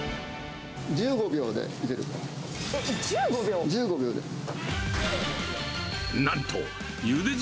１５秒でゆでる。